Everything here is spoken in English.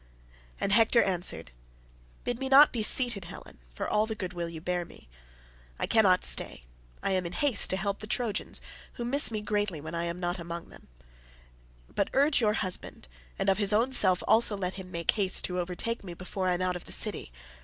And Hector answered, "Bid me not be seated, Helen, for all the goodwill you bear me. I cannot stay. I am in haste to help the Trojans, who miss me greatly when I am not among them; but urge your husband, and of his own self also let him make haste to overtake me before I am out of the city.